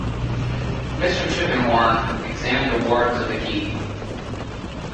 Mr. Tulkinghorn examined the wards of the key.